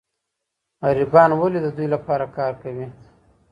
غریبان ولي د دوی لپاره کار کوي؟